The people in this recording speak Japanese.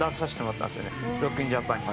「ＲＯＣＫＩＮＪＡＰＡＮ」に。